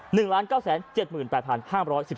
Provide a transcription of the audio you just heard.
หรืออืม๑๙๗๘๕๑๓บาทนี่